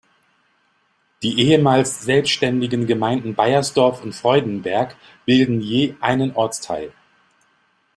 Die ehemals selbstständigen Gemeinden Beiersdorf und Freudenberg bilden je einen Ortsteil.